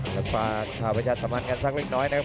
ขอบพระจัดสมันกันสักเล็กน้อยนะครับ